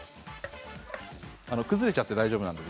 崩れちゃって大丈夫なので。